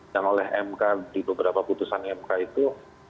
yang oleh mk di beberapa putusan mk itu